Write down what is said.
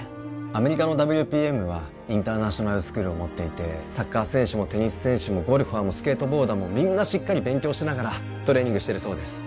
アメリカのＷＰＭはインターナショナルスクールを持っていてサッカー選手もテニス選手もゴルファーもスケートボーダーもみんなしっかり勉強しながらトレーニングしてるそうです